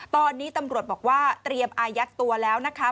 ตอนนี้ตำรวจบอกว่าเตรียมอายัดตัวแล้วนะคะ